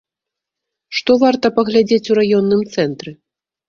Што варта паглядзець у раённым цэнтры?